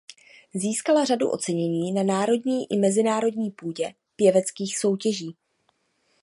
Získala řadu ocenění na národní i mezinárodní půdě pěveckých soutěží.